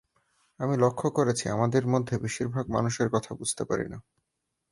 আমি লক্ষ করেছি, আমাদের মধ্যে বেশির ভাগই মানুষের কথা বুঝতে পারি না।